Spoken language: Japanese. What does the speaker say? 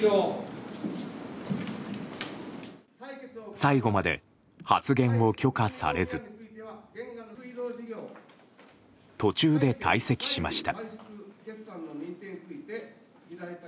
最後まで発言を許可されず途中で退席しました。